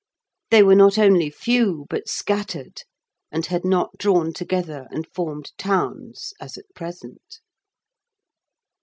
They were not only few, but scattered, and had not drawn together and formed towns as at present.